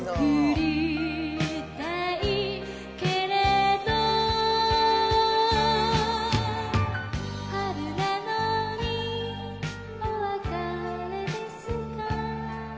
「送りたいけれど」「春なのにお別れですか」